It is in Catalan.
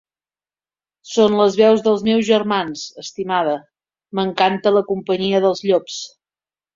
Són les veus dels meus germans, estimada; m'encanta la companyia dels llops.